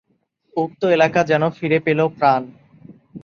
উক্ত এলাকা যেন ফিরে পেল প্রাণ।